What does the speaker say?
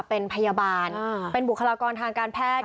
เป็นพยาบาลเป็นบุคลากรทางการแพทย์